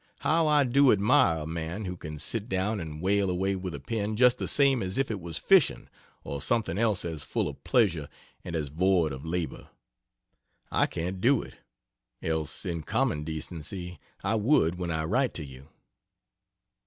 How I do admire a man who can sit down and whale away with a pen just the same as if it was fishing or something else as full of pleasure and as void of labor. I can't do it; else, in common decency, I would when I write to you.